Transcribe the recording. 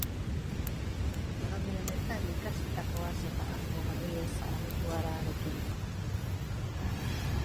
Hegaldi honetan ikasitakoaz eta asmo berriez aritu gara harekin.